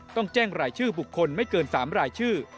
ต้องแจ้งรายชื่อบุคคลไม่เกิน๓รายชื่อ